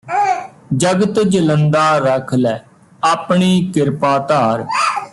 ਜਗਤੁ ਜਲੰਦਾ ਰਖਿ ਲੈ ਆਪਣੀ ਕਿਰਪਾ ਧਾਰਿ